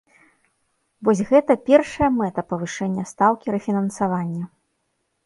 Вось гэта першая мэта павышэння стаўкі рэфінансавання.